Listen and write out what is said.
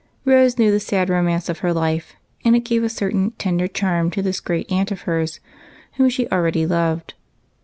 Rose knew the sad romance of her life, and it gave a certain tender charm to this great aunt of hers, whom she already loved.